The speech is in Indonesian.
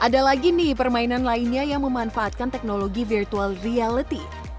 ada lagi nih permainan lainnya yang memanfaatkan teknologi virtual reality